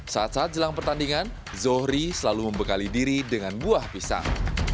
saat saat jelang pertandingan zohri selalu membekali diri dengan buah pisang